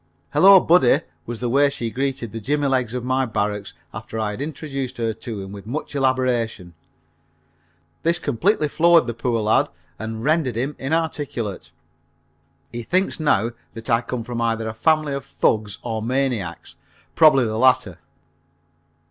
"Hello, Buddy!" was the way she greeted the Jimmy legs of my barracks after I had introduced her to him with much elaboration. This completely floored the poor lad, and rendered him inarticulate. He thinks now that I come from either a family of thugs or maniacs, probably the latter.